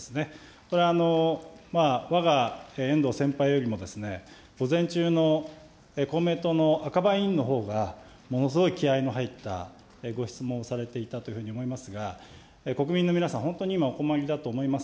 これ、わが遠藤先輩よりも午前中の公明党の赤羽委員のほうがものすごい気合いの入ったご質問をされていたというふうに思いますが、国民の皆さん、本当に今、お困りだと思います。